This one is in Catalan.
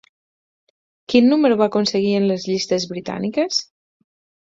Quin número va aconseguir en les llistes britàniques?